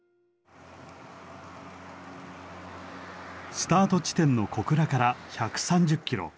スタート地点の小倉から１３０キロ。